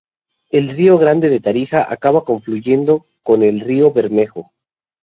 El Río Grande de Tarija acaba confluyendo con el río Bermejo.